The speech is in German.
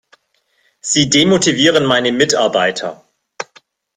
Sie demotivieren meine Mitarbeiter!